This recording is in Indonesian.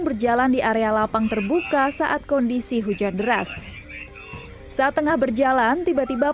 berjalan di area lapang terbuka saat kondisi hujan deras saat tengah berjalan tiba tiba